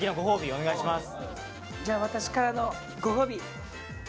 お願いします。